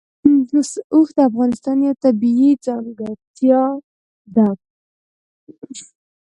اوښ د افغانستان یوه طبیعي ځانګړتیا ده.